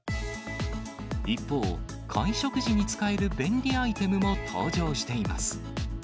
一方、会食時に使える便利アイテムも登場しています。